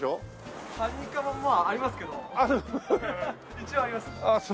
一応あります。